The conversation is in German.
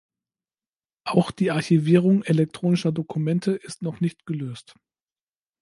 Auch die Archivierung elektronischer Dokumente ist noch nicht gelöst.